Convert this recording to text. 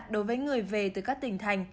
những người về từ các tỉnh thành